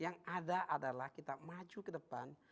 yang ada adalah kita maju ke depan